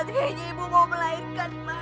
aduh pak saya ingin ibu memelahinkan pak